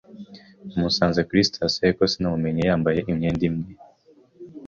Namusanze kuri sitasiyo, ariko sinamumenye yambaye imyenda imwe